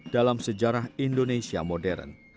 dalam sejarah indonesia modern